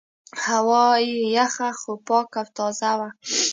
هوا یې یخه خو پاکه او تازه وه.